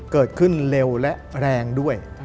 เกิดขึ้นเร็วและแรงด้วย